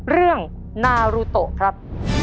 เรื่องนารุโตครับ